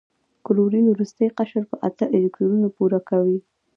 کلورین وروستی قشر په اته الکترونونه پوره کوي.